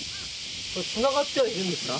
これつながってはいるんですか？